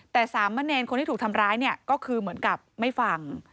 แต่สามมะเนรคนที่ถูกทำร้ายเนี่ยก็คือเหมือนกับไม่ฟัง